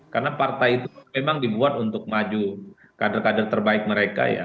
karena partai itu memang dibuat untuk maju kader kader terbaik mereka ya